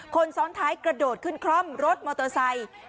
คนซ้อนท้ายกระโดดขึ้นคร่อมรถมอเตอร์ไซค์